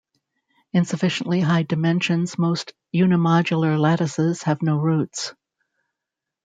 In sufficiently high dimensions most unimodular lattices have no roots.